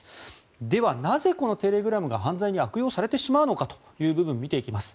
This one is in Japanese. では、なぜこのテレグラムが犯罪に悪用されてしまうのかというところを見ていきます。